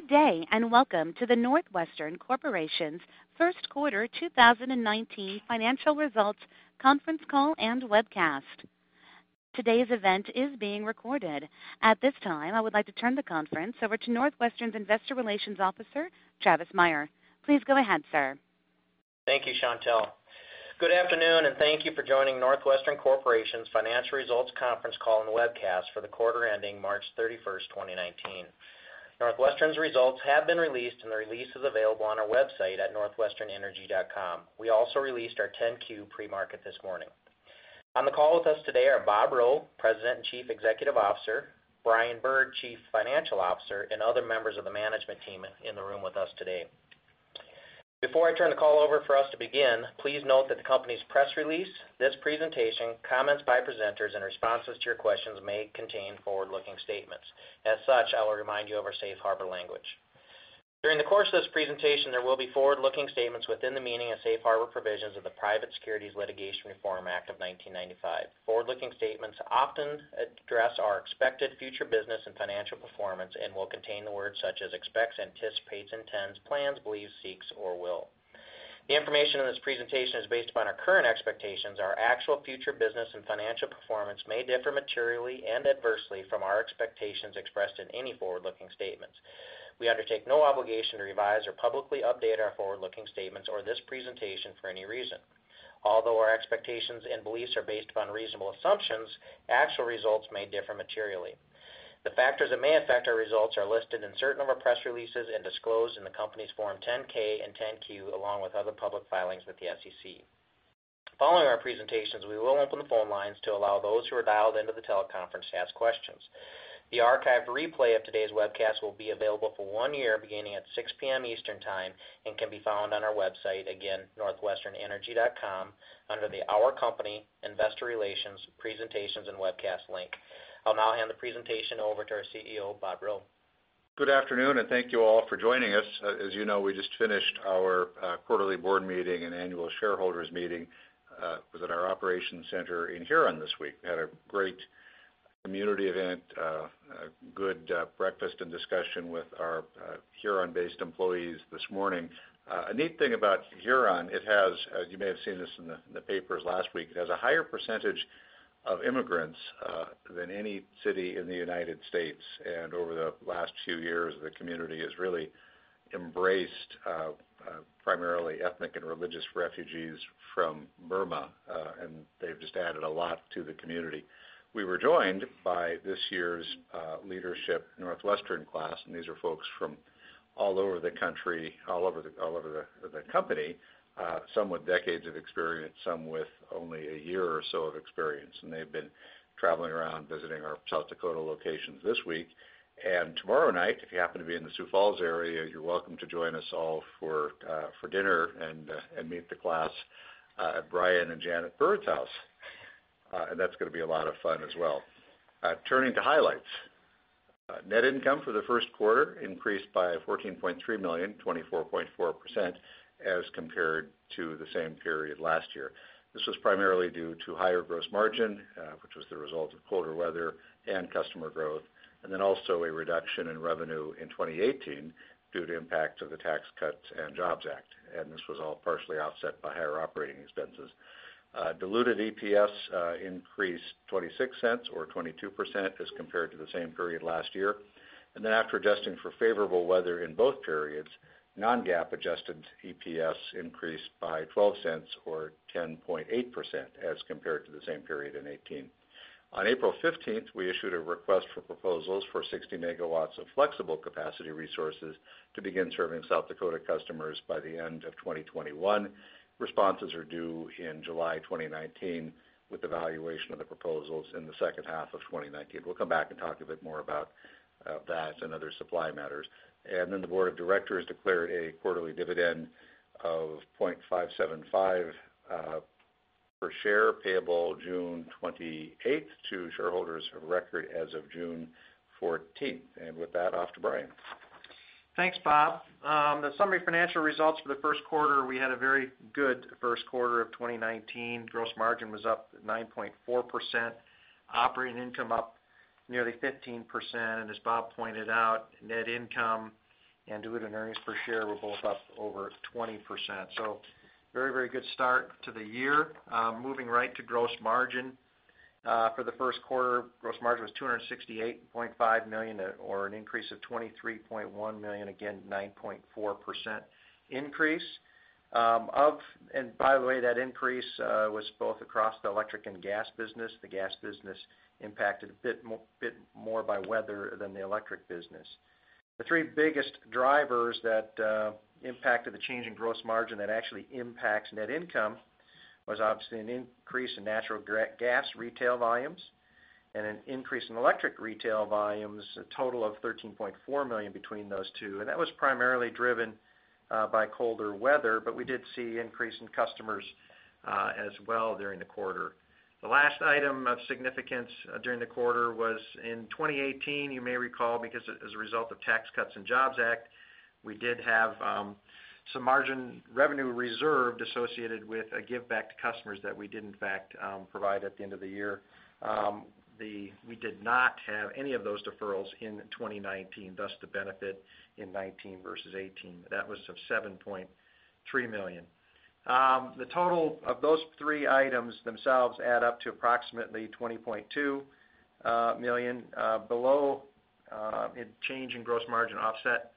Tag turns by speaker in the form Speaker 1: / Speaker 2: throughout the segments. Speaker 1: Good day, welcome to the NorthWestern Corporation's first quarter 2019 financial results conference call and webcast. Today's event is being recorded. At this time, I would like to turn the conference over to NorthWestern's Investor Relations Officer, Travis Meyer. Please go ahead, sir.
Speaker 2: Thank you, Chantelle. Good afternoon, thank you for joining NorthWestern Corporation's financial results conference call and webcast for the quarter ending March 31st, 2019. NorthWestern's results have been released, the release is available on our website at northwesternenergy.com. We also released our 10-Q pre-market this morning. On the call with us today are Bob Rowe, President and Chief Executive Officer, Brian Bird, Chief Financial Officer, other members of the management team in the room with us today. Before I turn the call over for us to begin, please note that the company's press release, this presentation, comments by presenters, and responses to your questions may contain forward-looking statements. As such, I will remind you of our safe harbor language. During the course of this presentation, there will be forward-looking statements within the meaning of safe harbor provisions of the Private Securities Litigation Reform Act of 1995. Forward-looking statements often address our expected future business and financial performance will contain the words such as expects, anticipates, intends, plans, believes, seeks, or will. The information in this presentation is based upon our current expectations. Our actual future business and financial performance may differ materially and adversely from our expectations expressed in any forward-looking statements. We undertake no obligation to revise or publicly update our forward-looking statements or this presentation for any reason. Although our expectations and beliefs are based upon reasonable assumptions, actual results may differ materially. The factors that may affect our results are listed in certain of our press releases and disclosed in the company's Form 10-K and 10-Q, along with other public filings with the SEC. Following our presentations, we will open the phone lines to allow those who are dialed into the teleconference to ask questions. The archived replay of today's webcast will be available for one year, beginning at 6:00 P.M. Eastern Time, can be found on our website, again, northwesternenergy.com, under the Our Company, Investor Relations, Presentations and Webcast link. I'll now hand the presentation over to our CEO, Bob Rowe.
Speaker 3: Good afternoon, thank you all for joining us. As you know, we just finished our quarterly board meeting and annual shareholders meeting, was at our operations center in Huron this week. We had a great community event, a good breakfast and discussion with our Huron-based employees this morning. A neat thing about Huron, it has, as you may have seen this in the papers last week, it has a higher percentage of immigrants than any city in the U.S. Over the last few years, the community has really embraced primarily ethnic and religious refugees from Burma, and they've just added a lot to the community. We were joined by this year's Leadership NorthWestern class, and these are folks from all over the country, all over the company, some with decades of experience, some with only a year or so of experience. They've been traveling around visiting our South Dakota locations this week. Tomorrow night, if you happen to be in the Sioux Falls area, you're welcome to join us all for dinner and meet the class at Brian and Janet Bird's house. That's going to be a lot of fun as well. Turning to highlights. Net income for the first quarter increased by $14.3 million, 24.4%, as compared to the same period last year. This was primarily due to higher gross margin, which was the result of colder weather and customer growth, a reduction in revenue in 2018 due to impact of the Tax Cuts and Jobs Act. This was all partially offset by higher operating expenses. Diluted EPS increased $0.26 or 22% as compared to the same period last year. After adjusting for favorable weather in both periods, non-GAAP adjusted EPS increased by $0.12 or 10.8% as compared to the same period in 2018. On April 15th, we issued a request for proposals for 60 MW of flexible capacity resources to begin serving South Dakota customers by the end of 2021. Responses are due in July 2019, with evaluation of the proposals in the second half of 2019. We'll come back and talk a bit more about that and other supply matters. The board of directors declared a quarterly dividend of $0.575 per share, payable June 28th to shareholders of record as of June 14th. With that, off to Brian.
Speaker 4: Thanks, Bob. The summary financial results for the first quarter, we had a very good first quarter of 2019. Gross margin was up 9.4%, operating income up nearly 15%, and Bob pointed out, net income and diluted earnings per share were both up over 20%. Very good start to the year. Moving right to gross margin. For the first quarter, gross margin was $268.5 million, or an increase of $23.1 million, again, 9.4% increase. By the way, that increase was both across the electric and gas business. The gas business impacted a bit more by weather than the electric business. The three biggest drivers that impacted the change in gross margin that actually impacts net income was obviously an increase in natural gas retail volumes and an increase in electric retail volumes, a total of $13.4 million between those two. That was primarily driven by colder weather, but we did see increase in customers as well during the quarter. The last item of significance during the quarter was in 2018, you may recall, because as a result of Tax Cuts and Jobs Act. We did have some margin revenue reserved associated with a give back to customers that we did in fact provide at the end of the year. We did not have any of those deferrals in 2019, thus the benefit in 2019 versus 2018. That was of $7.3 million. The total of those three items themselves add up to approximately $20.2 million below change in gross margin offset.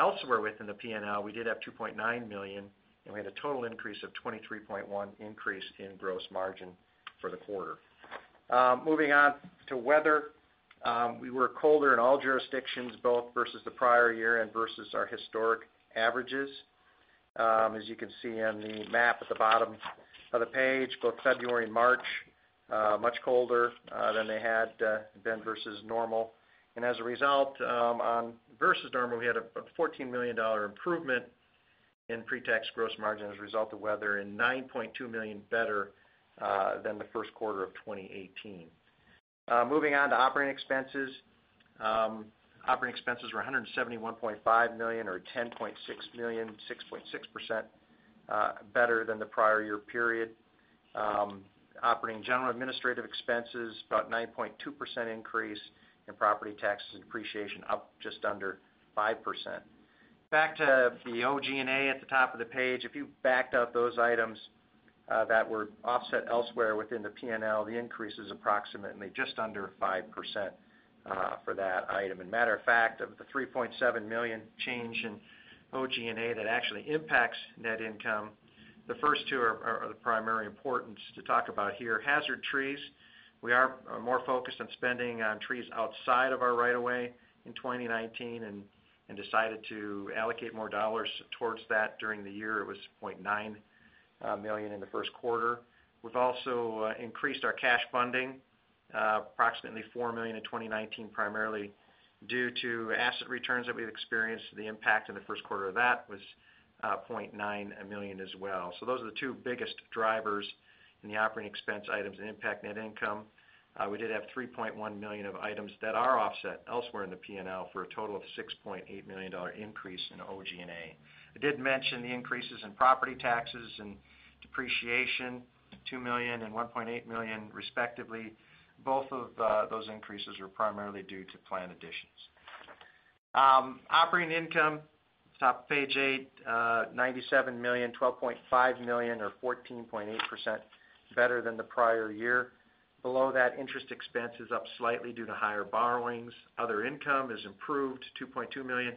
Speaker 4: Elsewhere within the P&L, we did have $2.9 million, and we had a total increase of 23.1 increase in gross margin for the quarter. Moving on to weather. We were colder in all jurisdictions, both versus the prior year and versus our historic averages. As you can see on the map at the bottom of the page, both February and March, much colder than they had been versus normal. As a result, versus normal, we had a $14 million improvement in pre-tax gross margin as a result of weather and $9.2 million better than the first quarter of 2018. Moving on to operating expenses. Operating expenses were $171.5 million or $10.6 million, 6.6% better than the prior year period. Operating, General and Administrative expenses, about 9.2% increase, and property taxes and depreciation up just under 5%. Back to the OG&A at the top of the page. If you backed out those items that were offset elsewhere within the P&L, the increase is approximately just under 5% for that item. Matter of fact, of the $3.7 million change in OG&A that actually impacts net income, the first two are the primary importance to talk about here. Hazard trees. We are more focused on spending on trees outside of our right of way in 2019 and decided to allocate more dollars towards that during the year. It was $0.9 million in the first quarter. We've also increased our cash funding approximately $4 million in 2019, primarily due to asset returns that we've experienced. The impact in the first quarter of that was $0.9 million as well. Those are the two biggest drivers in the operating expense items that impact net income. We did have $3.1 million of items that are offset elsewhere in the P&L for a total of $6.8 million increase in OG&A. I did mention the increases in property taxes and depreciation, $2 million and $1.8 million respectively. Both of those increases were primarily due to planned additions. Operating income, top of page eight, $97 million, $12.5 million or 14.8% better than the prior year. Below that, interest expense is up slightly due to higher borrowings. Other income is improved $2.2 million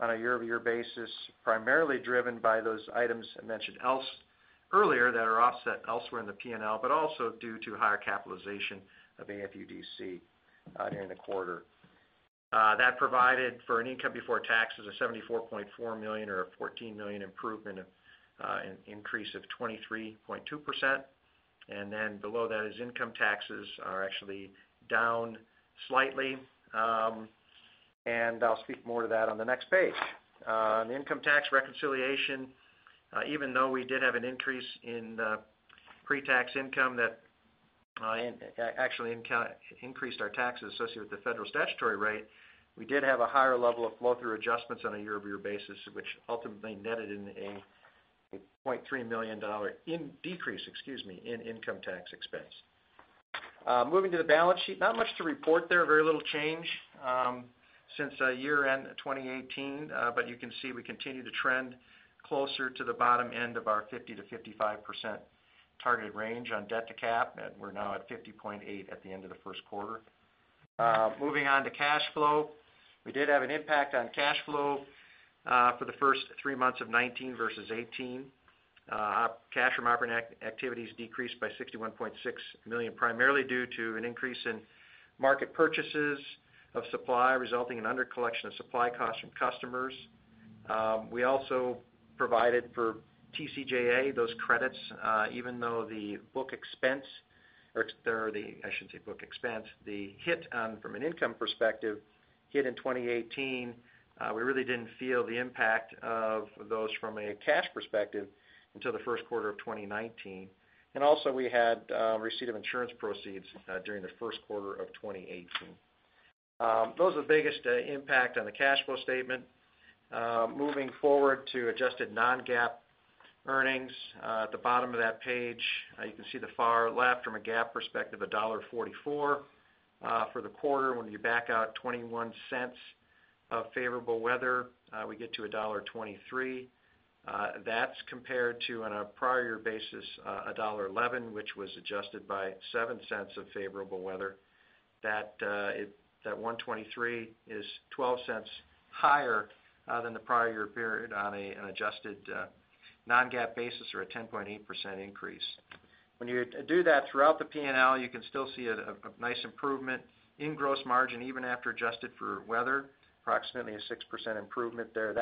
Speaker 4: on a year-over-year basis, primarily driven by those items I mentioned earlier that are offset elsewhere in the P&L, but also due to higher capitalization of AFUDC during the quarter. That provided for an income before taxes of $74.4 million or a $14 million improvement, an increase of 23.2%. Below that, income taxes are actually down slightly. I'll speak more to that on the next page. On the income tax reconciliation, even though we did have an increase in pre-tax income that actually increased our taxes associated with the federal statutory rate, we did have a higher level of flow-through adjustments on a year-over-year basis, which ultimately netted in a $0.3 million decrease in income tax expense. Moving to the balance sheet. Not much to report there. Very little change since year-end 2018. You can see we continue to trend closer to the bottom end of our 50%-55% targeted range on debt to cap. We're now at 50.8 at the end of the first quarter. Moving on to cash flow. We did have an impact on cash flow for the first three months of 2019 versus 2018. Cash from operating activities decreased by $61.6 million, primarily due to an increase in market purchases of supply, resulting in under collection of supply costs from customers. We also provided for TCJA, those credits, even though the book expense or I shouldn't say book expense, the hit from an income perspective hit in 2018. We really didn't feel the impact of those from a cash perspective until the first quarter of 2019. Also, we had receipt of insurance proceeds during the first quarter of 2018. Those are the biggest impact on the cash flow statement. Moving forward to adjusted non-GAAP earnings. At the bottom of that page, you can see the far left from a GAAP perspective, $1.44 for the quarter. When you back out $0.21 of favorable weather, we get to $1.23. That's compared to on a prior year basis, $1.11, which was adjusted by $0.07 of favorable weather. That $1.23 is $0.12 higher than the prior year period on an adjusted non-GAAP basis or a 10.8% increase. When you do that throughout the P&L, you can still see a nice improvement in gross margin even after adjusted for weather, approximately a 6% improvement there.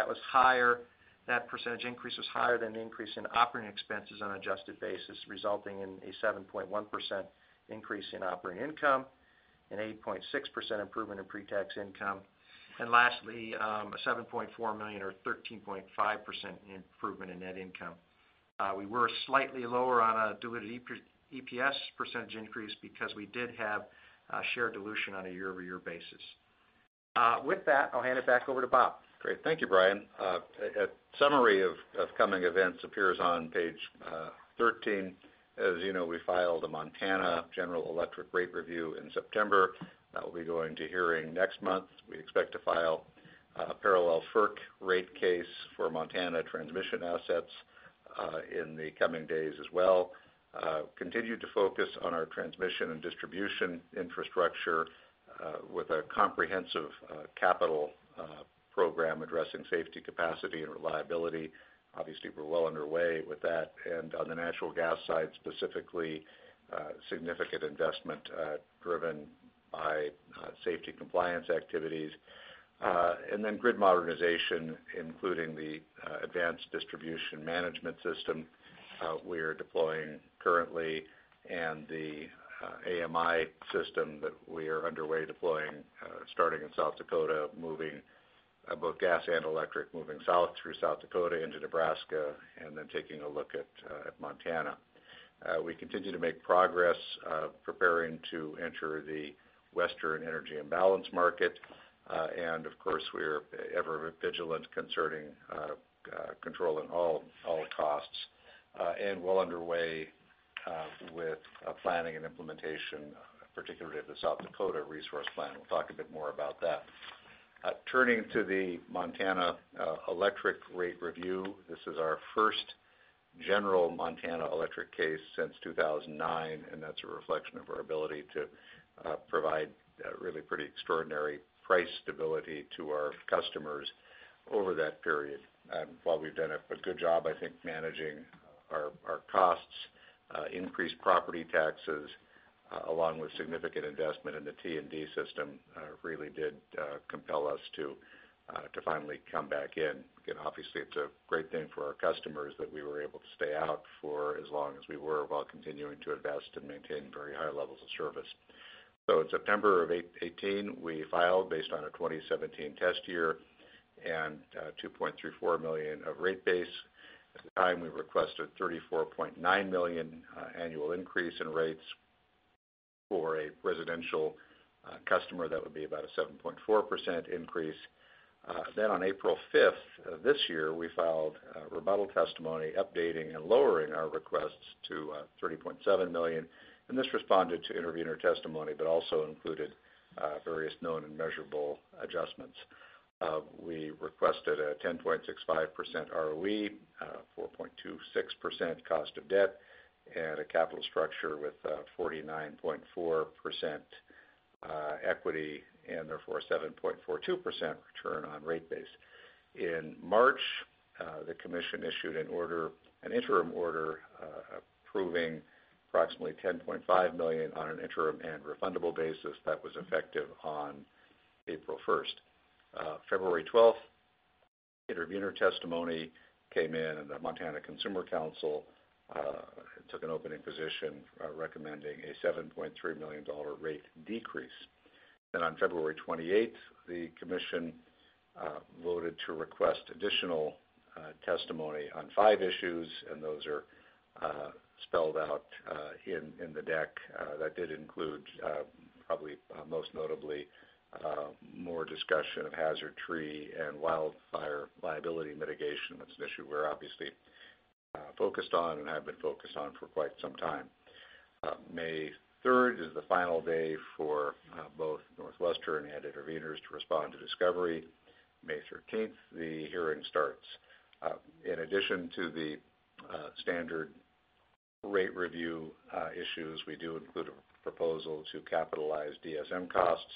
Speaker 4: That percentage increase was higher than the increase in operating expenses on an adjusted basis, resulting in a 7.1% increase in operating income, an 8.6% improvement in pre-tax income, and lastly, a $7.4 million or 13.5% improvement in net income. We were slightly lower on a diluted EPS percentage increase because we did have share dilution on a year-over-year basis. With that, I'll hand it back over to Bob.
Speaker 3: Great. Thank you, Brian. A summary of coming events appears on page 13. As you know, we filed a Montana general electric rate review in September. That will be going to hearing next month. We expect to file a parallel FERC rate case for Montana transmission assets in the coming days as well. Continue to focus on our transmission and distribution infrastructure with a comprehensive capital program addressing safety capacity and reliability. Obviously, we're well underway with that, and on the natural gas side, specifically, significant investment driven by safety compliance activities. Grid modernization, including the advanced distribution management system we are deploying currently, and the AMI system that we are underway deploying starting in South Dakota, both gas and electric, moving south through South Dakota into Nebraska, and then taking a look at Montana. We continue to make progress preparing to enter the Western Energy Imbalance Market. Of course, we're ever vigilant concerning controlling all costs, and well underway with planning and implementation, particularly of the South Dakota resource plan. We'll talk a bit more about that. Turning to the Montana electric rate review, this is our first general Montana electric case since 2009, and that's a reflection of our ability to provide really pretty extraordinary price stability to our customers over that period. While we've done a good job, I think, managing our costs, increased property taxes, along with significant investment in the T&D system, really did compel us to finally come back in. Again, obviously, it's a great thing for our customers that we were able to stay out for as long as we were, while continuing to invest and maintain very high levels of service. In September of 2018, we filed based on a 2017 test year and $2.34 million of rate base. At the time, we requested $34.9 million annual increase in rates. For a residential customer, that would be about a 7.4% increase. On April 5th this year, we filed a rebuttal testimony updating and lowering our requests to $30.7 million, and this responded to intervener testimony, but also included various known and measurable adjustments. We requested a 10.65% ROE, 4.26% cost of debt, and a capital structure with 49.4% equity, and therefore a 7.42% return on rate base. In March, the commission issued an interim order approving approximately $10.5 million on an interim and refundable basis that was effective on April 1st. February 12th, intervener testimony came in, and the Montana Consumer Counsel took an opening position recommending a $7.3 million rate decrease. On February 28th, the commission voted to request additional testimony on five issues, and those are spelled out in the deck. That did include, probably most notably, more discussion of hazard tree and wildfire liability mitigation. That's an issue we're obviously focused on and have been focused on for quite some time. May 3rd is the final day for both NorthWestern and interveners to respond to discovery. May 13th, the hearing starts. In addition to the standard rate review issues, we do include a proposal to capitalize DSM costs,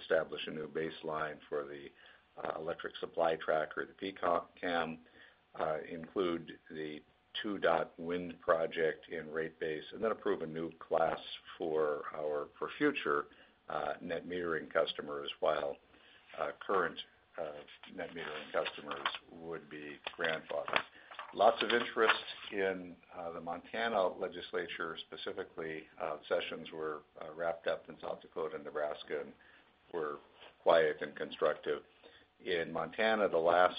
Speaker 3: establish a new baseline for the electric supply tracker, the PCCAM, include the Two Dot Wind Project in rate base, and then approve a new class for future net metering customers, while current net metering customers would be grandfathered. Lots of interest in the Montana legislature, specifically. Sessions were wrapped up in South Dakota and Nebraska and were quiet and constructive. In Montana, the last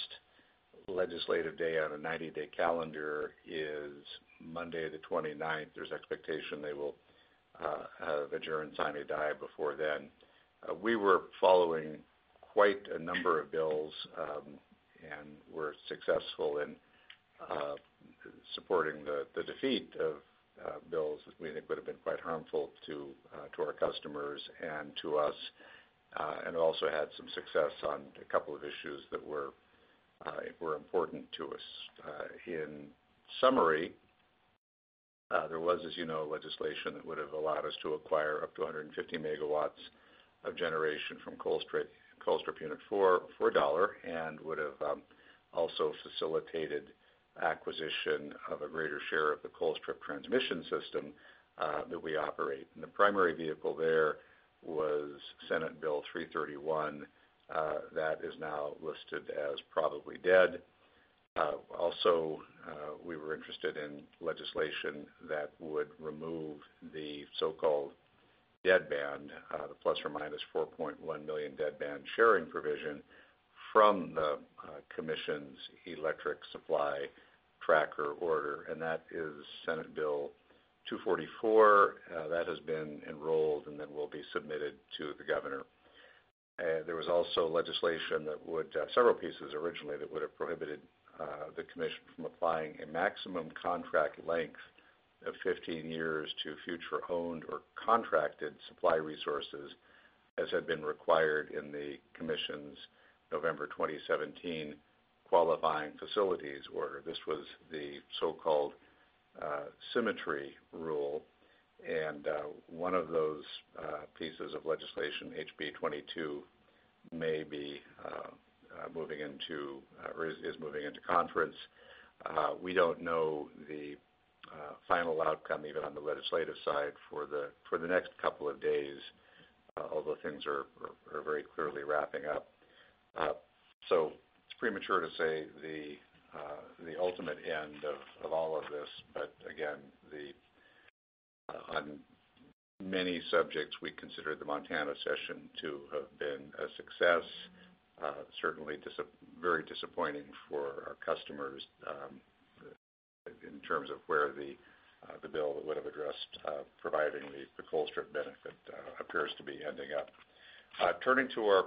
Speaker 3: legislative day on a 90-day calendar is Monday the 29th. There's expectation they will have adjourned sine die before then. We were following quite a number of bills and were successful in supporting the defeat of bills that we think would've been quite harmful to our customers and to us, and also had some success on a couple of issues that were important to us. In summary, there was, as you know, legislation that would've allowed us to acquire up to 150 megawatts of generation from Colstrip Unit 4 for $1, and would've also facilitated acquisition of a greater share of the Colstrip Transmission System that we operate. The primary vehicle there was Senate Bill 331. That is now listed as probably dead. We were interested in legislation that would remove the so-called deadband, the plus or minus $4.1 million deadband sharing provision from the commission's electric supply tracker order, that is Senate Bill 244. That has been enrolled and then will be submitted to the governor. There was also several pieces originally, that would have prohibited the commission from applying a maximum contract length of 15 years to future owned or contracted supply resources, as had been required in the commission's November 2017 qualifying facilities order. This was the so-called symmetry rule, one of those pieces of legislation, HB 22, may be moving into, or is moving into conference. We don't know the final outcome, even on the legislative side for the next couple of days, although things are very clearly wrapping up. It's premature to say the ultimate end of all of this, but again, on many subjects, we consider the Montana session to have been a success. Certainly, very disappointing for our customers in terms of where the bill that would've addressed providing the Colstrip benefit appears to be ending up. Turning to our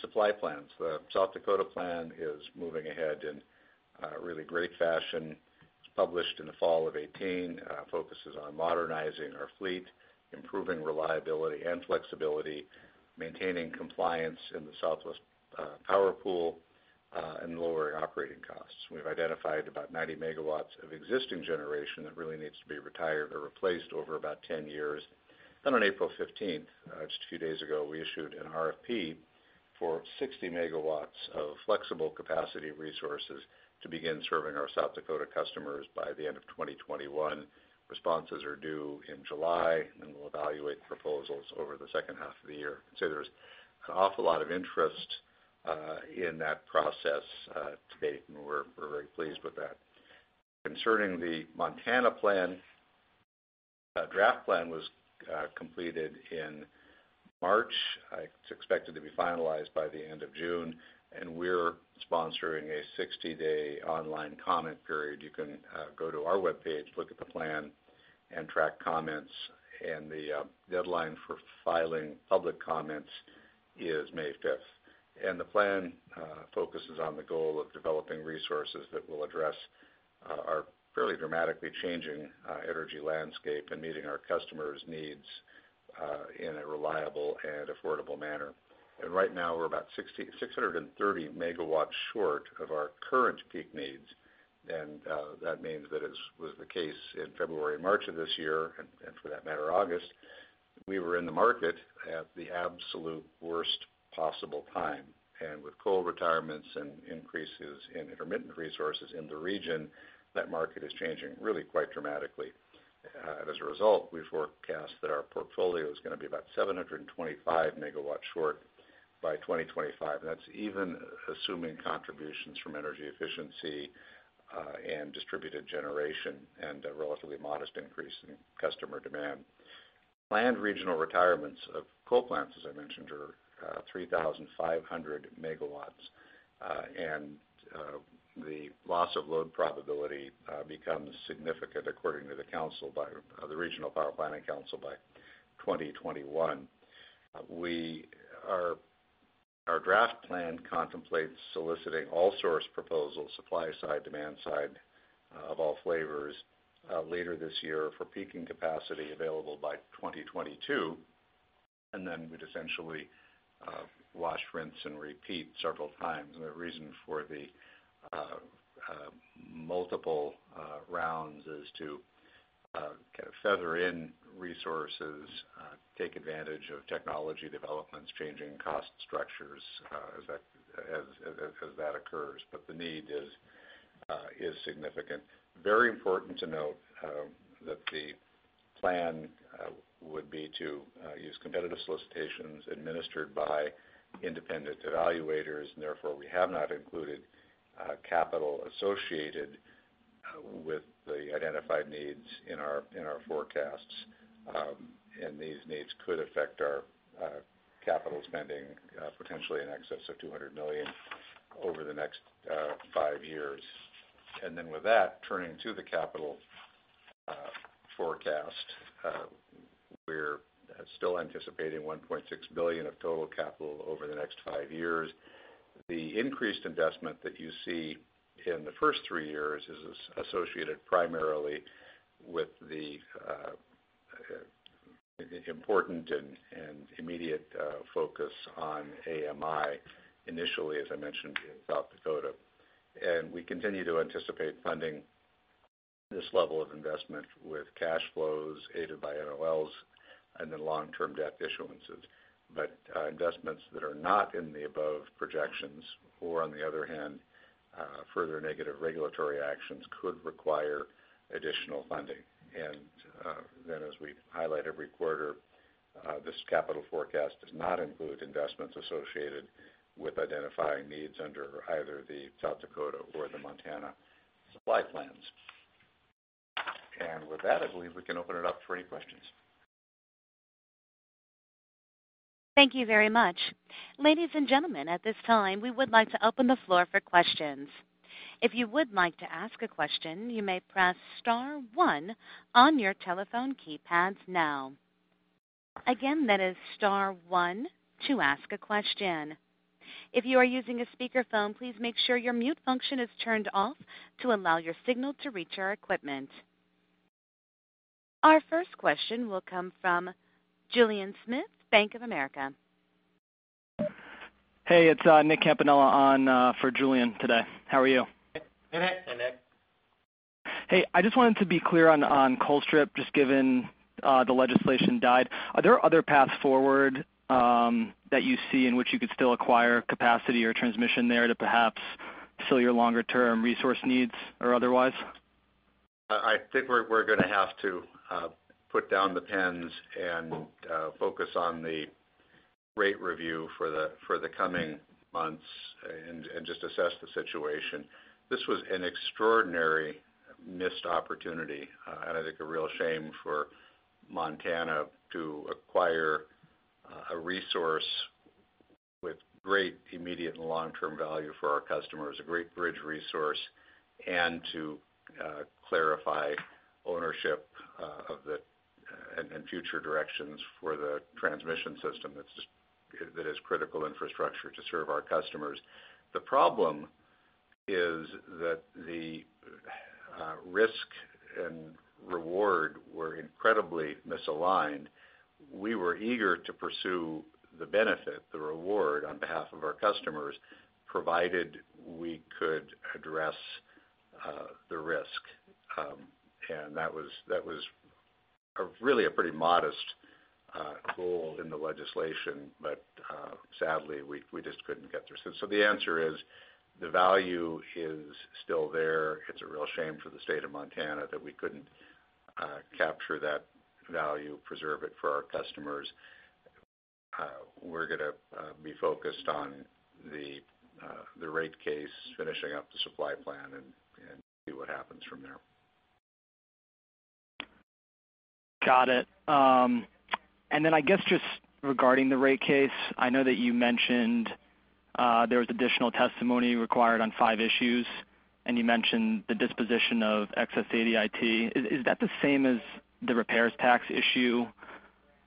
Speaker 3: supply plans. The South Dakota plan is moving ahead in a really great fashion. It's published in the fall of 2018, focuses on modernizing our fleet, improving reliability and flexibility, maintaining compliance in the Southwest Power Pool, and lowering operating costs. We've identified about 90 megawatts of existing generation that really needs to be retired or replaced over about 10 years. On April 15th, just a few days ago, we issued an RFP for 60 megawatts of flexible capacity resources to begin serving our South Dakota customers by the end of 2021. Responses are due in July. We'll evaluate the proposals over the second half of the year. I'd say there's an awful lot of interest in that process to date, and we're very pleased with that. Concerning the Montana plan, a draft plan was completed in March. It's expected to be finalized by the end of June. We're sponsoring a 60-day online comment period. You can go to our webpage, look at the plan and track comments. The deadline for filing public comments is May 5th. The plan focuses on the goal of developing resources that will address our fairly dramatically changing energy landscape and meeting our customers' needs in a reliable and affordable manner. Right now, we're about 630 MW short of our current peak needs, and that means that as was the case in February and March of this year, for that matter, August, we were in the market at the absolute worst possible time. With coal retirements and increases in intermittent resources in the region, that market is changing really quite dramatically. As a result, we've forecast that our portfolio is going to be about 725 MW short by 2025, and that's even assuming contributions from energy efficiency, distributed generation, and a relatively modest increase in customer demand. Planned regional retirements of coal plants, as I mentioned, are 3,500 MW, and the loss of load probability becomes significant according to the Northwest Power and Conservation Council by 2021. Our draft plan contemplates soliciting all-source proposals, supply-side, demand-side of all flavors later this year for peaking capacity available by 2022. We'd essentially wash, rinse, and repeat several times. The reason for the multiple rounds is to kind of feather in resources, take advantage of technology developments, changing cost structures as that occurs. The need is significant. Very important to note that the plan would be to use competitive solicitations administered by independent evaluators. Therefore, we have not included capital associated with the identified needs in our forecasts. These needs could affect our capital spending potentially in excess of $200 million over the next five years. With that, turning to the capital forecast, we're still anticipating $1.6 billion of total capital over the next five years. The increased investment that you see in the first three years is associated primarily with the important and immediate focus on AMI, initially, as I mentioned, in South Dakota. We continue to anticipate funding this level of investment with cash flows aided by NOLs and long-term debt issuances. Investments that are not in the above projections, or on the other hand, further negative regulatory actions could require additional funding. As we highlight every quarter, this capital forecast does not include investments associated with identifying needs under either the South Dakota or the Montana supply plans. With that, I believe we can open it up for any questions.
Speaker 1: Thank you very much. Ladies and gentlemen, at this time, we would like to open the floor for questions. If you would like to ask a question, you may press star one on your telephone keypads now. Again, that is star one to ask a question. If you are using a speakerphone, please make sure your mute function is turned off to allow your signal to reach our equipment. Our first question will come from Julien Smith, Bank of America.
Speaker 5: Hey, it's Nick Campanella on for Julien today. How are you?
Speaker 3: Hey, Nick.
Speaker 5: Hey, I just wanted to be clear on Colstrip, just given the legislation died. Are there other paths forward that you see in which you could still acquire capacity or transmission there to perhaps fill your longer-term resource needs or otherwise?
Speaker 3: I think we're going to have to put down the pens and focus on the rate review for the coming months and just assess the situation. This was an extraordinary missed opportunity, and I think a real shame for Montana to acquire a resource with great immediate and long-term value for our customers, a great bridge resource, and to clarify ownership and future directions for the transmission system that is critical infrastructure to serve our customers. The problem is that the risk and reward were incredibly misaligned. We were eager to pursue the benefit, the reward on behalf of our customers, provided we could address the risk. That was really a pretty modest goal in the legislation. Sadly, we just couldn't get there. The answer is, the value is still there. It's a real shame for the state of Montana that we couldn't capture that value, preserve it for our customers. We're going to be focused on the rate case, finishing up the supply plan, and see what happens from there.
Speaker 5: Got it. Regarding the rate case, I know that you mentioned there was additional testimony required on five issues, you mentioned the disposition of excess ADIT. Is that the same as the repairs tax issue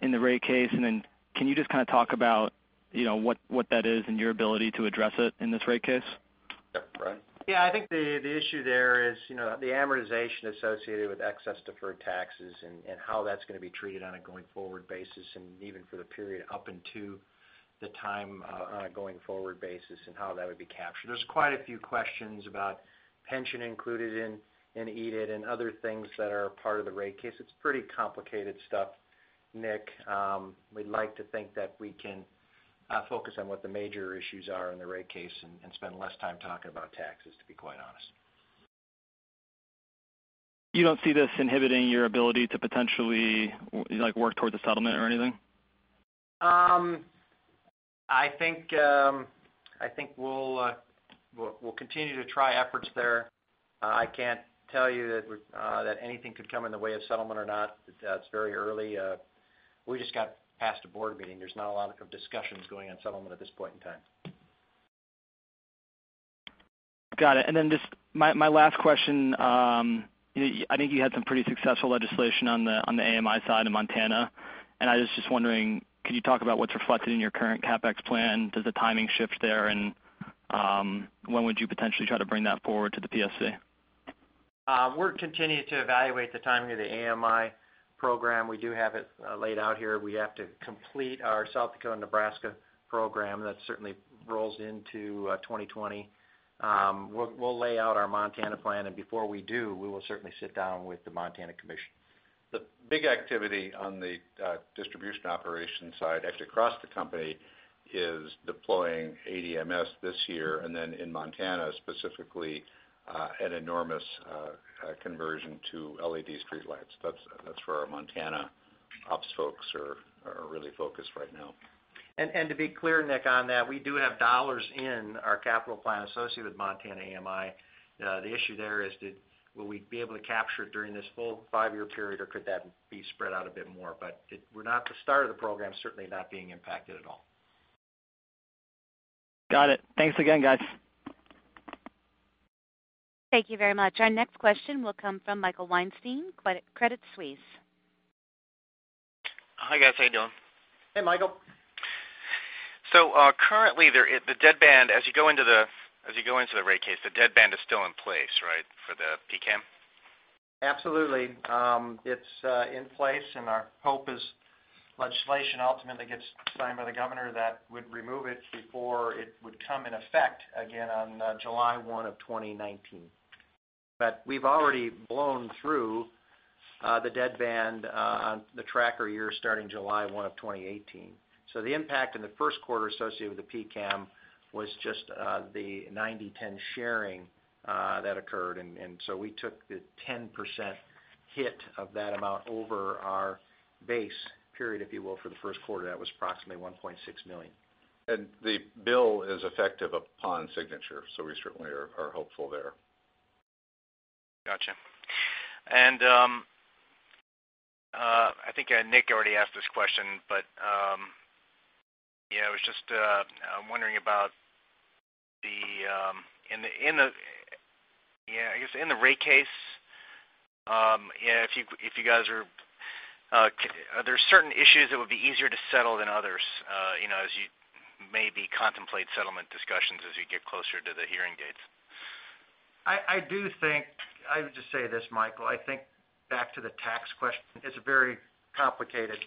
Speaker 5: in the rate case? Can you just kind of talk about what that is and your ability to address it in this rate case?
Speaker 3: Brian?
Speaker 4: Yeah, I think the issue there is the amortization associated with excess deferred taxes and how that's going to be treated on a going-forward basis, and even for the period up into the time on a going-forward basis and how that would be captured. There's quite a few questions about pension included in EBITDA and other things that are part of the rate case. It's pretty complicated stuff, Nick. We'd like to think that we can focus on what the major issues are in the rate case and spend less time talking about taxes, to be quite honest.
Speaker 5: You don't see this inhibiting your ability to potentially work towards a settlement or anything?
Speaker 4: I think we'll continue to try efforts there. I can't tell you that anything could come in the way of settlement or not. It's very early. We just got past a board meeting. There's not a lot of discussions going on settlement at this point in time.
Speaker 5: Got it. Just my last question. I think you had some pretty successful legislation on the AMI side in Montana, I was just wondering, could you talk about what's reflected in your current CapEx plan? Does the timing shift there? When would you potentially try to bring that forward to the PSC?
Speaker 4: We're continuing to evaluate the timing of the AMI program. We do have it laid out here. We have to complete our South Dakota and Nebraska program. That certainly rolls into 2020. We'll lay out our Montana plan. Before we do, we will certainly sit down with the Montana Commission.
Speaker 3: The big activity on the distribution operations side, actually across the company, is deploying ADMS this year. In Montana, specifically, an enormous conversion to LED streetlights. That's where our Montana ops folks are really focused right now.
Speaker 4: To be clear, Nick, on that, we do have dollars in our capital plan associated with Montana AMI. The issue there is, will we be able to capture it during this full five-year period, or could that be spread out a bit more? The start of the program is certainly not being impacted at all.
Speaker 5: Got it. Thanks again, guys.
Speaker 1: Thank you very much. Our next question will come from Michael Weinstein, Credit Suisse.
Speaker 6: Hi, guys. How you doing?
Speaker 4: Hey, Michael.
Speaker 6: Currently, the deadband, as you go into the rate case, the deadband is still in place, right, for the PCAM?
Speaker 4: Absolutely. It's in place, and our hope is legislation ultimately gets signed by the governor that would remove it before it would come in effect again on July 1 of 2019. We've already blown through the deadband on the tracker year starting July 1 of 2018. The impact in the first quarter associated with the PCAM was just the 90/10 sharing that occurred, and so we took the 10% hit of that amount over our base period, if you will, for the first quarter. That was approximately $1.6 million.
Speaker 3: The bill is effective upon signature, so we certainly are hopeful there.
Speaker 6: Got you. I think Nick already asked this question, but I was just wondering about in the rate case, are there certain issues that would be easier to settle than others as you maybe contemplate settlement discussions as you get closer to the hearing dates?
Speaker 4: I would just say this, Michael, I think back to the tax question, it's very complicated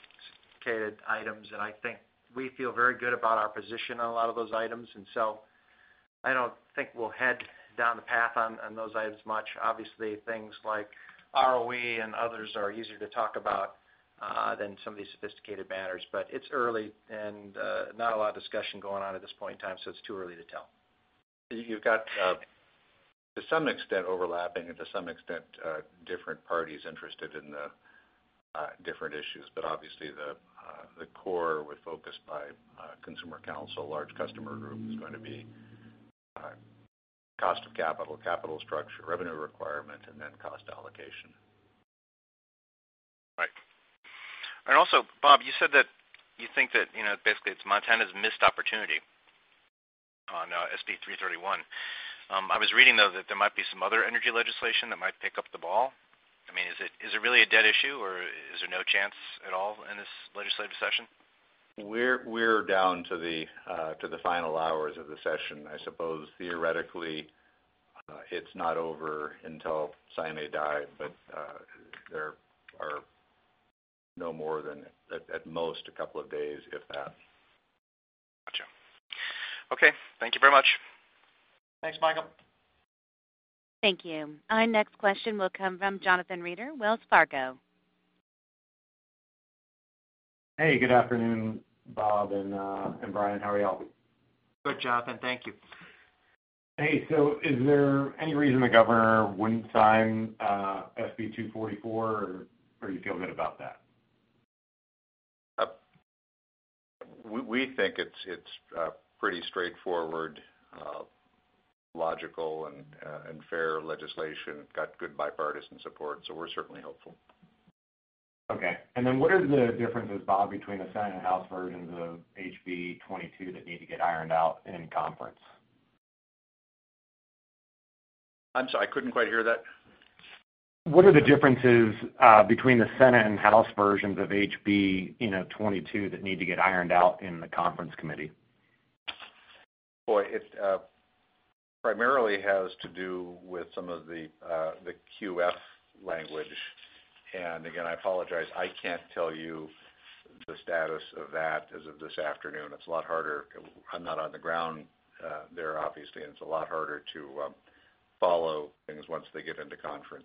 Speaker 4: items, and I think we feel very good about our position on a lot of those items, and so I don't think we'll head down the path on those items much. Obviously, things like ROE and others are easier to talk about than some of these sophisticated matters. It's early and not a lot of discussion going on at this point in time, so it's too early to tell.
Speaker 3: You've got to some extent overlapping and to some extent, different parties interested in the different issues. Obviously the core with focus by Consumer Counsel, large customer group, is going to be cost of capital structure, revenue requirement, and then cost allocation.
Speaker 6: Right. Also, Bob, you said that you think that basically it's Montana's missed opportunity on SB 331. I was reading, though, that there might be some other energy legislation that might pick up the ball. Is it really a dead issue, or is there no chance at all in this legislative session?
Speaker 3: We're down to the final hours of the session. I suppose theoretically it's not over until sine die, there are no more than at most a couple of days if that.
Speaker 6: Got you. Okay. Thank you very much.
Speaker 4: Thanks, Michael.
Speaker 1: Thank you. Our next question will come from Jonathan Reeder, Wells Fargo.
Speaker 7: Hey, good afternoon, Bob and Brian. How are you all doing?
Speaker 4: Good, Jonathan. Thank you.
Speaker 7: Hey, is there any reason the governor wouldn't sign SB 244, or do you feel good about that?
Speaker 3: We think it's pretty straightforward, logical, and fair legislation. It's got good bipartisan support. We're certainly hopeful.
Speaker 7: Okay. Then what are the differences, Bob, between the Senate and House versions of HB 22 that need to get ironed out in conference?
Speaker 4: I'm sorry, I couldn't quite hear that.
Speaker 7: What are the differences between the Senate and House versions of HB 22 that need to get ironed out in the conference committee?
Speaker 3: Boy, it primarily has to do with some of the QF language. Again, I apologize, I can't tell you the status of that as of this afternoon. I'm not on the ground there, obviously, and it's a lot harder to follow things once they get into conference.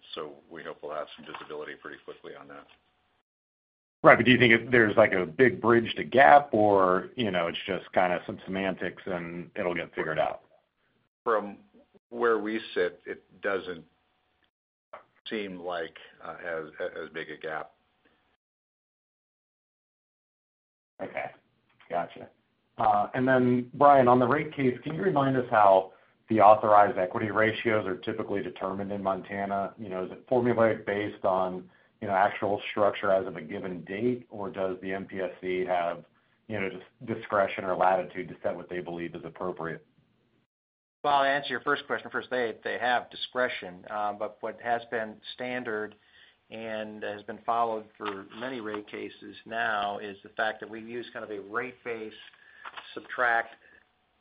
Speaker 3: We hope we'll have some visibility pretty quickly on that.
Speaker 7: Right. Do you think there's a big bridge to gap or it's just kind of some semantics and it'll get figured out?
Speaker 3: From where we sit, it doesn't seem like as big a gap.
Speaker 7: Okay. Got you. Brian, on the rate case, can you remind us how the authorized equity ratios are typically determined in Montana? Is it formulaic based on actual structure as of a given date, or does the MPSC have discretion or latitude to set what they believe is appropriate?
Speaker 4: Well, I'll answer your first question first. They have discretion, but what has been standard and has been followed for many rate cases now is the fact that we use kind of a rate base, subtract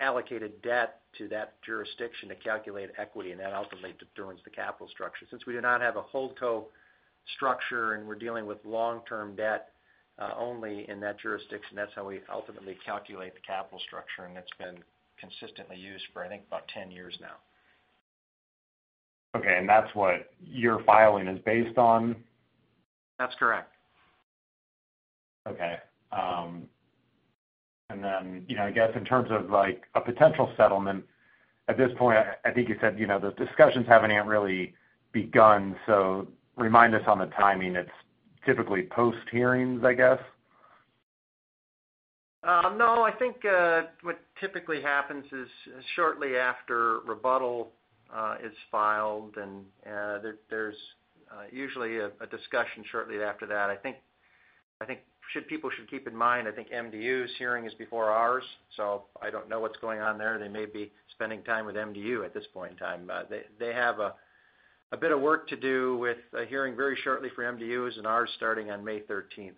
Speaker 4: allocated debt to that jurisdiction to calculate equity, and that ultimately determines the capital structure. Since we do not have a holdco structure and we're dealing with long-term debt, only in that jurisdiction, that's how we ultimately calculate the capital structure. It's been consistently used for I think about 10 years now.
Speaker 7: Okay, that's what your filing is based on?
Speaker 4: That's correct.
Speaker 7: Okay. I guess in terms of a potential settlement at this point, I think you said the discussions haven't yet really begun. Remind us on the timing. It's typically post hearings, I guess?
Speaker 4: No, I think what typically happens is shortly after rebuttal is filed and there's usually a discussion shortly after that. I think people should keep in mind, I think MDU's hearing is before ours, I don't know what's going on there. They may be spending time with MDU at this point in time. They have a bit of work to do with a hearing very shortly for MDU and ours starting on May 13th.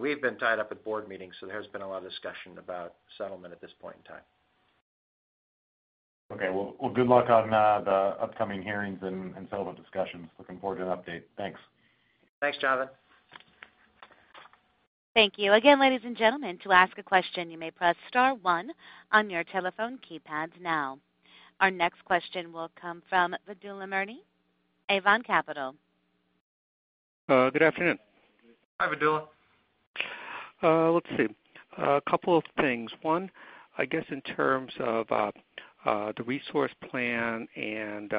Speaker 4: We've been tied up at board meetings, there's been a lot of discussion about settlement at this point in time.
Speaker 7: Okay. Well, good luck on the upcoming hearings and settlement discussions. Looking forward to an update. Thanks.
Speaker 4: Thanks, Jonathan.
Speaker 1: Thank you. Again, ladies and gentlemen, to ask a question, you may press star one on your telephone keypads now. Our next question will come from Vidula Murti, Avon Capital.
Speaker 8: Good afternoon.
Speaker 3: Hi, Vidula.
Speaker 8: Let's see. A couple of things. One, I guess in terms of the resource plan and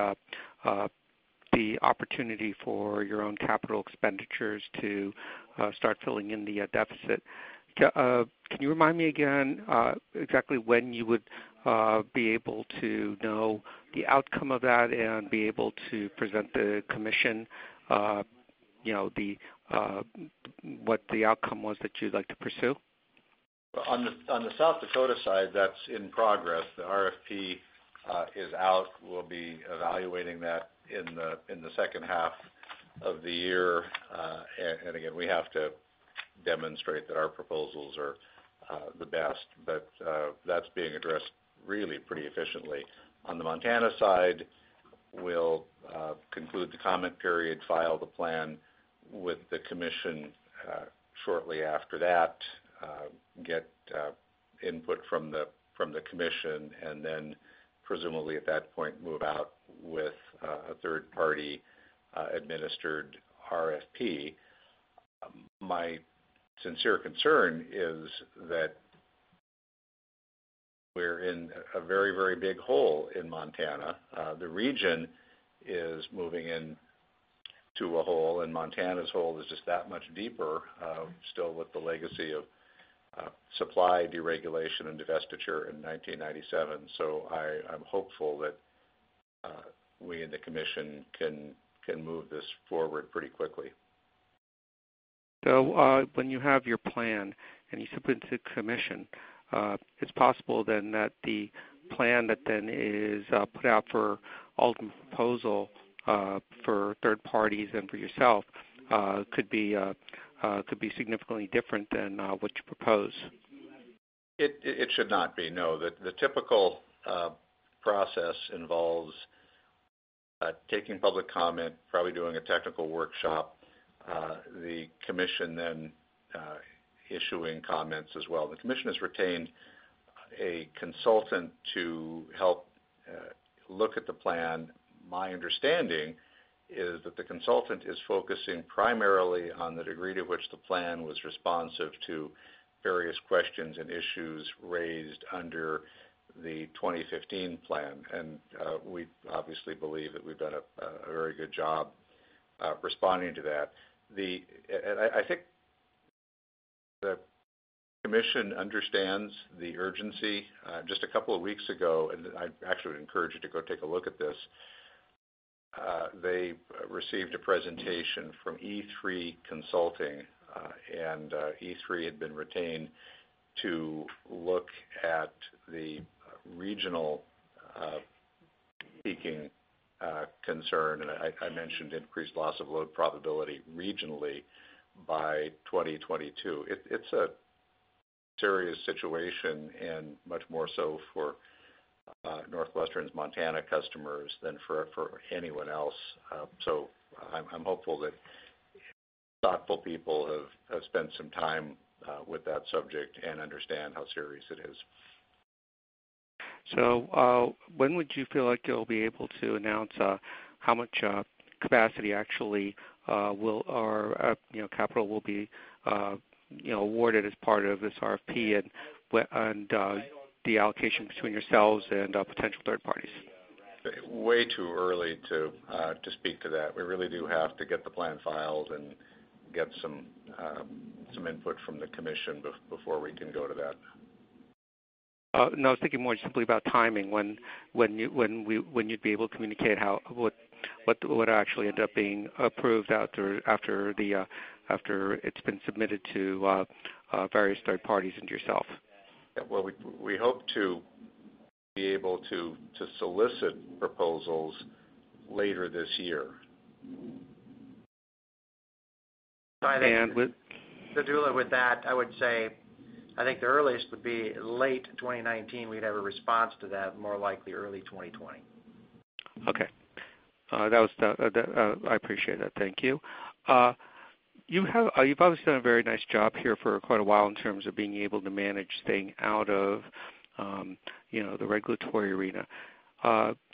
Speaker 8: the opportunity for your own capital expenditures to start filling in the deficit, can you remind me again exactly when you would be able to know the outcome of that and be able to present the commission what the outcome was that you'd like to pursue?
Speaker 3: On the South Dakota side, that's in progress. The RFP is out. We'll be evaluating that in the second half of the year. Again, we have to demonstrate that our proposals are the best. That's being addressed really pretty efficiently. On the Montana side, we'll conclude the comment period, file the plan with the commission, shortly after that, get input from the commission, then presumably at that point, move out with a third-party administered RFP. My sincere concern is that we're in a very big hole in Montana. The region is moving into a hole, and Montana's hole is just that much deeper, still with the legacy of supply deregulation and divestiture in 1997. I'm hopeful that we in the commission can move this forward pretty quickly.
Speaker 8: When you have your plan and you submit it to the commission, it's possible then that the plan that then is put out for ultimate proposal for third parties and for yourself could be significantly different than what you propose.
Speaker 3: It should not be, no. The typical process involves taking public comment, probably doing a technical workshop, the commission then issuing comments as well. The commission has retained a consultant to help look at the plan. My understanding is that the consultant is focusing primarily on the degree to which the plan was responsive to various questions and issues raised under the 2015 plan. We obviously believe that we've done a very good job responding to that. I think the commission understands the urgency. Just a couple of weeks ago, and I actually would encourage you to go take a look at this, they received a presentation from E3 Consulting. E3 had been retained to look at the regional peaking concern, and I mentioned increased loss of load probability regionally by 2022. It's a serious situation, and much more so for NorthWestern's Montana customers than for anyone else. I'm hopeful that thoughtful people have spent some time with that subject and understand how serious it is.
Speaker 8: When would you feel like you'll be able to announce how much capacity actually or capital will be awarded as part of this RFP and the allocation between yourselves and potential third parties?
Speaker 3: Way too early to speak to that. We really do have to get the plan filed and get some input from the commission before we can go to that.
Speaker 8: No, I was thinking more simply about timing, when you'd be able to communicate what actually end up being approved after it's been submitted to various third parties and yourself.
Speaker 3: Well, we hope to be able to solicit proposals later this year.
Speaker 8: And with-
Speaker 4: Vidula, with that, I would say, I think the earliest would be late 2019, we'd have a response to that, more likely early 2020.
Speaker 8: Okay. I appreciate that. Thank you. You've obviously done a very nice job here for quite a while in terms of being able to manage staying out of the regulatory arena.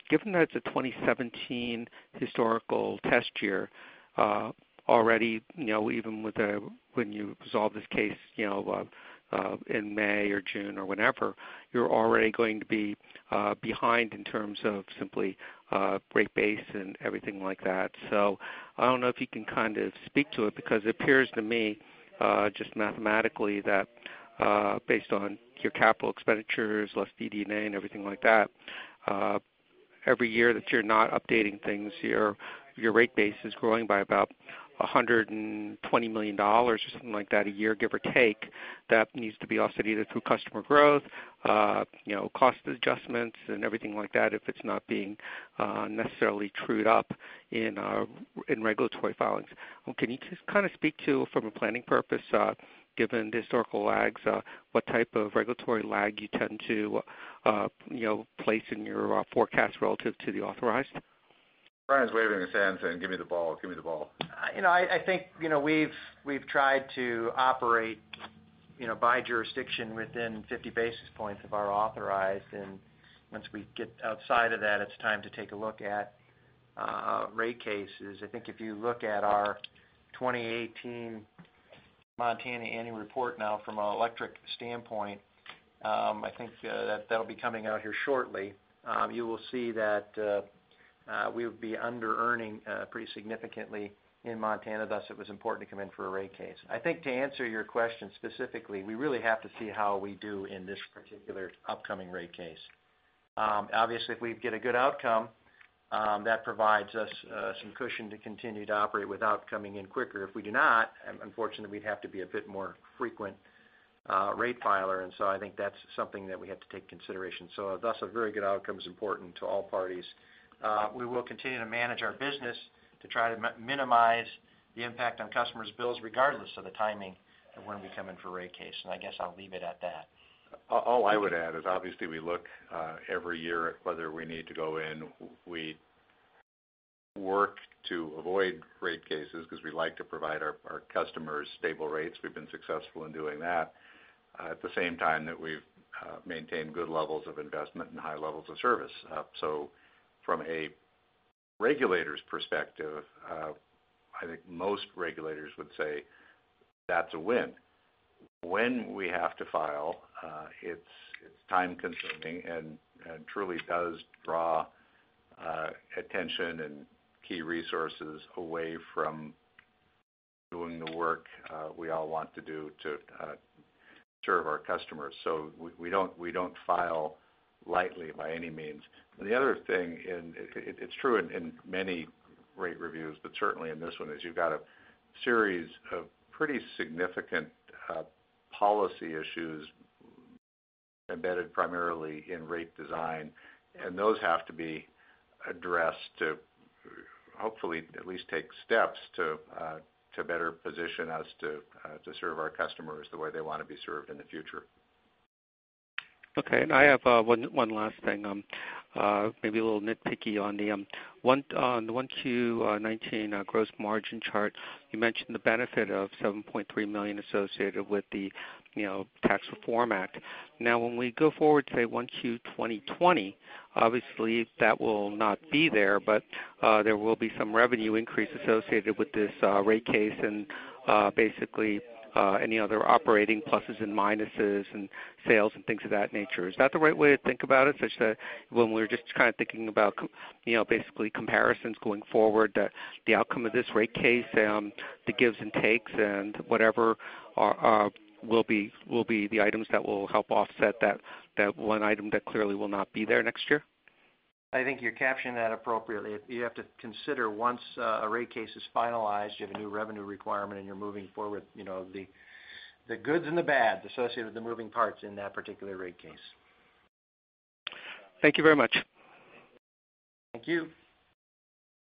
Speaker 8: Given that it's a 2017 historical test year, already even when you resolve this case in May or June or whenever, you're already going to be behind in terms of simply rate base and everything like that. I don't know if you can speak to it, because it appears to me, just mathematically, that based on your capital expenditures, less DD&A and everything like that, every year that you're not updating things, your rate base is growing by about $120 million or something like that a year, give or take. That needs to be offset either through customer growth, cost adjustments, and everything like that, if it's not being necessarily trued up in regulatory filings. Can you just speak to, from a planning purpose, given the historical lags, what type of regulatory lag you tend to place in your forecast relative to the authorized?
Speaker 3: Brian's waving his hand saying, "Give me the ball.
Speaker 4: I think we've tried to operate by jurisdiction within 50 basis points of our authorized. Once we get outside of that, it's time to take a look at rate cases. I think if you look at our 2018 Montana annual report now from an electric standpoint, I think that'll be coming out here shortly. You will see that we would be under-earning pretty significantly in Montana, thus it was important to come in for a rate case. I think to answer your question specifically, we really have to see how we do in this particular upcoming rate case. Obviously, if we get a good outcome, that provides us some cushion to continue to operate without coming in quicker. If we do not, unfortunately, we'd have to be a bit more frequent rate filer. I think that's something that we have to take consideration. Thus, a very good outcome is important to all parties. We will continue to manage our business to try to minimize the impact on customers' bills regardless of the timing of when we come in for a rate case. I guess I'll leave it at that.
Speaker 3: All I would add is obviously we look every year at whether we need to go in. We work to avoid rate cases because we like to provide our customers stable rates. We've been successful in doing that at the same time that we've maintained good levels of investment and high levels of service. From a regulator's perspective, I think most regulators would say that's a win. When we have to file, it's time-consuming and truly does draw attention and key resources away from doing the work we all want to do to serve our customers. We don't file lightly by any means. The other thing, it's true in many rate reviews, but certainly in this one, is you've got a series of pretty significant policy issues embedded primarily in rate design, and those have to be addressed to hopefully at least take steps to better position us to serve our customers the way they want to be served in the future.
Speaker 8: Okay. I have one last thing. Maybe a little nitpicky. On the 1Q 2019 gross margin chart, you mentioned the benefit of $7.3 million associated with the Tax Reform Act. When we go forward to, say, 1Q 2020, obviously that will not be there, but there will be some revenue increase associated with this rate case and basically any other operating pluses and minuses and sales and things of that nature. Is that the right way to think about it? Such that when we're just kind of thinking about basically comparisons going forward, the outcome of this rate case, the gives and takes and whatever will be the items that will help offset that one item that clearly will not be there next year?
Speaker 4: I think you're capturing that appropriately. You have to consider once a rate case is finalized, you have a new revenue requirement, and you're moving forward the goods and the bads associated with the moving parts in that particular rate case.
Speaker 8: Thank you very much.
Speaker 4: Thank you.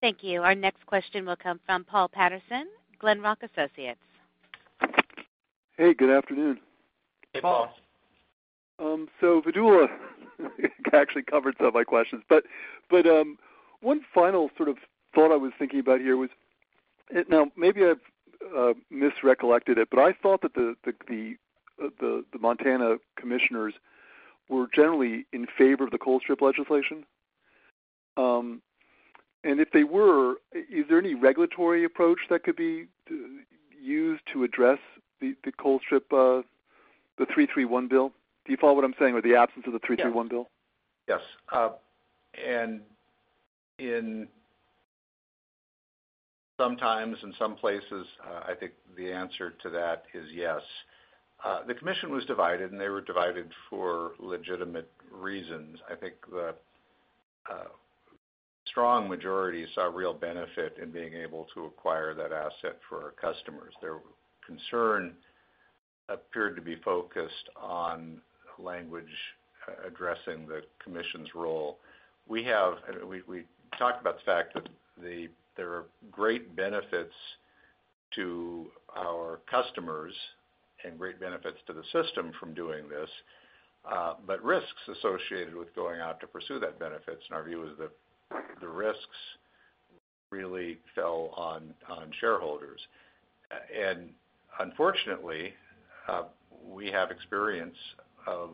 Speaker 1: Thank you. Our next question will come from Paul Patterson, Glenrock Associates.
Speaker 9: Hey, good afternoon.
Speaker 4: Hey, Paul.
Speaker 9: Vidula actually covered some of my questions. One final sort of thought I was thinking about here was, now maybe I've misrecollected it, but I thought that the Montana commissioners were generally in favor of the Colstrip legislation. If they were, is there any regulatory approach that could be used to address the Colstrip, the 331 bill? Do you follow what I'm saying? Or the absence of the 331 bill?
Speaker 3: Yes. Sometimes, in some places, I think the answer to that is yes. The commission was divided, and they were divided for legitimate reasons. I think the strong majority saw real benefit in being able to acquire that asset for our customers. Their concern appeared to be focused on language addressing the commission's role. We talked about the fact that there are great benefits to our customers and great benefits to the system from doing this, but risks associated with going out to pursue that benefit. Our view is that the risks really fell on shareholders. Unfortunately, we have experience of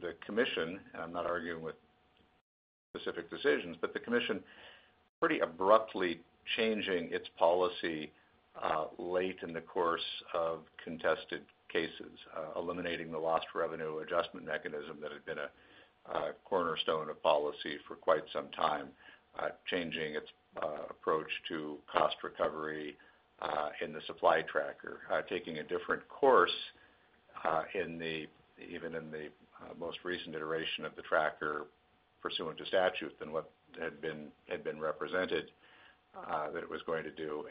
Speaker 3: the commission, and I'm not arguing with specific decisions, the commission pretty abruptly changing its policy late in the course of contested cases, eliminating the lost revenue adjustment mechanism that had been a cornerstone of policy for quite some time, changing its approach to cost recovery in the supply tracker, taking a different course even in the most recent iteration of the tracker pursuant to statute than what had been represented that it was going to do.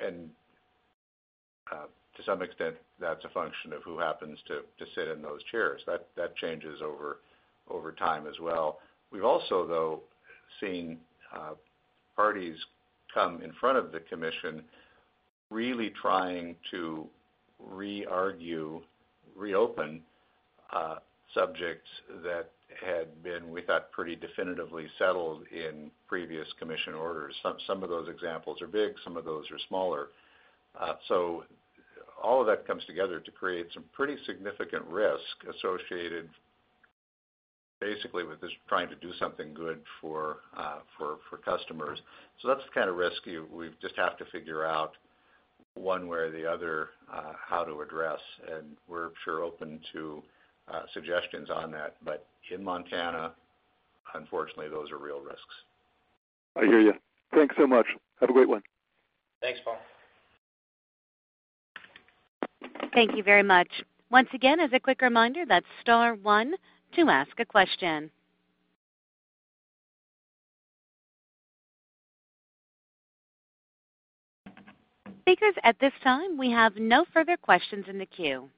Speaker 3: To some extent, that's a function of who happens to sit in those chairs. That changes over time as well. We've also, though, seen parties come in front of the commission really trying to reargue, reopen subjects that had been, we thought, pretty definitively settled in previous commission orders. Some of those examples are big, some of those are smaller. All of that comes together to create some pretty significant risk associated basically with just trying to do something good for customers. That's the kind of risk we just have to figure out one way or the other how to address, and we're sure open to suggestions on that. In Montana, unfortunately, those are real risks.
Speaker 9: I hear you. Thanks so much. Have a great one.
Speaker 4: Thanks, Paul.
Speaker 1: Thank you very much. Once again, as a quick reminder, that's star one to ask a question. Speakers, at this time, we have no further questions in the queue.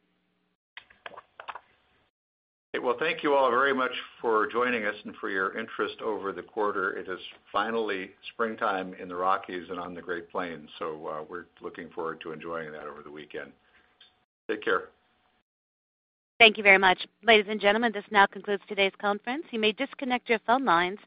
Speaker 3: Okay. Well, thank you all very much for joining us and for your interest over the quarter. It is finally springtime in the Rockies and on the Great Plains. We're looking forward to enjoying that over the weekend. Take care.
Speaker 1: Thank you very much. Ladies and gentlemen, this now concludes today's conference. You may disconnect your phone lines.